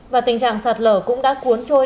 và tình trạng sạt lở cũng đã cuốn trôi